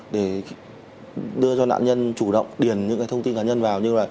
để đưa cho đạn nhân chủ động điền những thông tin cá nhân vào